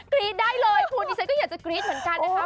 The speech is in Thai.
รี๊ดได้เลยคุณดิฉันก็อยากจะกรี๊ดเหมือนกันนะคะ